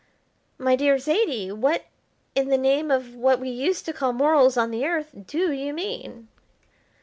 "My dear Zaidie, what, in the name of what we used to call morals on the Earth, do you mean?"